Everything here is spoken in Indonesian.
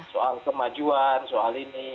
soal kemajuan soal ini